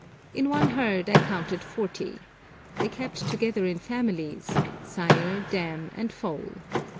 In one herd I counted forty. They kept together in families, sire, dam, and foal.